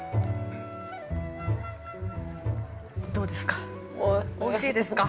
◆どうですか。